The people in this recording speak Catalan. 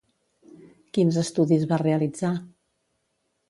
Quins estudis va realitzar?